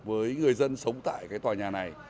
với người dân sống tại cái tòa nhà này